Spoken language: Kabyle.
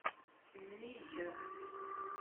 Mmi-k.